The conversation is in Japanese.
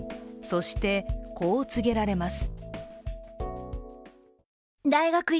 そして、こう告げられます。